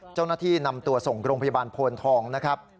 เจ้าหน้าที่นำตัวส่งโรงพยาบาลโพนทองนะครับ